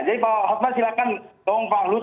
jadi pak otmar silahkan tolong pak luhut